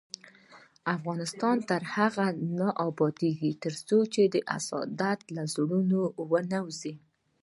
افغانستان تر هغو نه ابادیږي، ترڅو حسادت له زړونو ونه وځي.